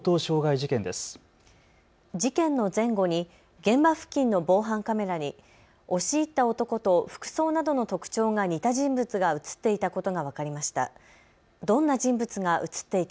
事件の前後に現場付近の防犯カメラに押し入った男と服装などの特徴が似た人物が写っていたことが分かりました。